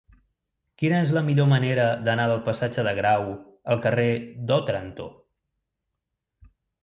Quina és la millor manera d'anar del passatge de Grau al carrer d'Òtranto?